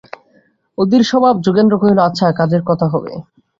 অধীরস্বভাব যোগেন্দ্র কহিল, আচ্ছা, কাজের কথা হবে।